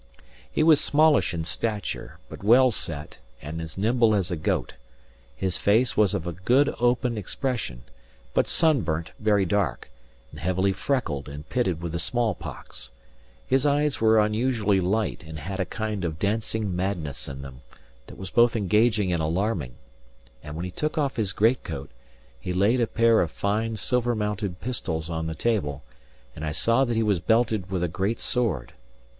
He was smallish in stature, but well set and as nimble as a goat; his face was of a good open expression, but sunburnt very dark, and heavily freckled and pitted with the small pox; his eyes were unusually light and had a kind of dancing madness in them, that was both engaging and alarming; and when he took off his great coat, he laid a pair of fine silver mounted pistols on the table, and I saw that he was belted with a great sword.